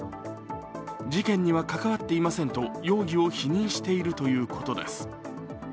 事件には関わっていませんと容疑を否認しているということです。